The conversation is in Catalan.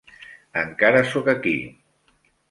Encara soc aquí.